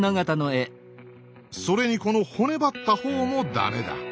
それにこの骨張った頬も駄目だ。